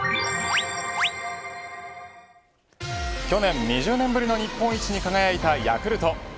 去年２０年ぶりの日本一に輝いたヤクルト。